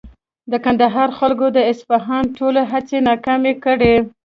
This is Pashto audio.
د کندهار خلکو د اصفهان ټولې هڅې ناکامې کړې.